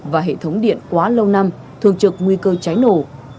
và hệ thống điện quá lâu năm thường trực nguy cơ cháy nổ